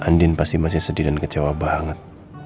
andin pasti sedih dan kecewa banget